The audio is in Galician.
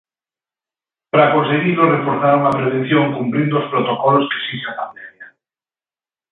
Para conseguilo reforzaron a prevención cumprindo os protocolos que esixe a pandemia.